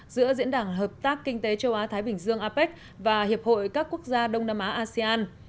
giữa diễn đàn hợp tác kinh tế châu á thái bình dương apec và hiệp hội các quốc gia đông nam á asean